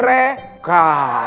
menidurkan me ruh